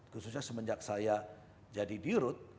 khususnya semenjak saya jadi di rut